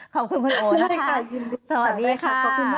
ขอบคุณคุณโอนะคะ